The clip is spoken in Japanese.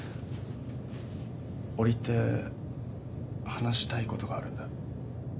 折り入って話したいことがあるんだ。